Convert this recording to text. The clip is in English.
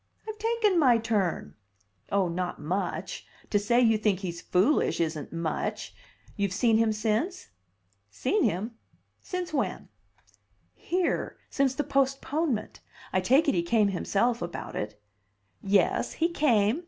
"I've taken my turn!" "Oh, not much. To say you think he's foolish isn't much. You've seen him since?" "Seen him? Since when?" "Here. Since the postponement. I take it he came himself about it." "Yes, he came.